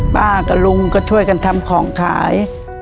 ป้ากับลุงก็ช่วยกันทำของขาย